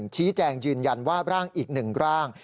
ชี้แจงยืนยันว่าร่างอีก๑ร่าง